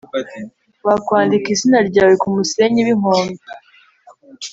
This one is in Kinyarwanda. wakwandika izina ryawe kumusenyi winkombe